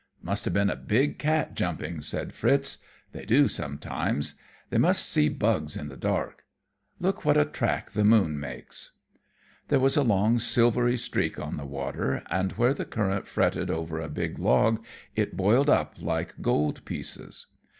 "Must have been a big cat jumping," said Fritz. "They do sometimes. They must see bugs in the dark. Look what a track the moon makes!" There was a long, silvery streak on the water, and where the current fretted over a big log it boiled up like gold pieces.